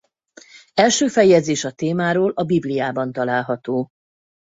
Első feljegyzés a témáról a Bibliában található.